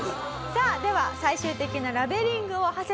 さあでは最終的なラベリングをハセさんに。